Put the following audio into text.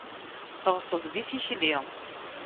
Teɣṣeb di tikli.